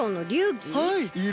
はい！